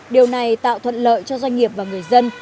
điều này tạo thuận lợi cho doanh nghiệp và người dân